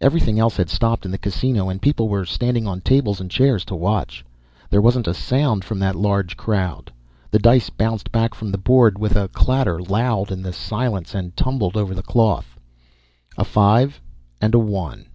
Everything else had stopped in the Casino and people were standing on tables and chairs to watch. There wasn't a sound from that large crowd. The dice bounced back from the board with a clatter loud in the silence and tumbled over the cloth. A five and a one.